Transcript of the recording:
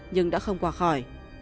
nhưng đã không qua khỏi